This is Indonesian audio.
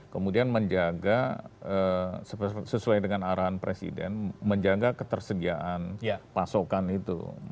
kemudian menjaga sesuai dengan arahan presiden menjaga ketersediaan pasokan itu